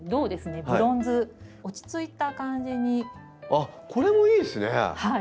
あっこれもいいですね。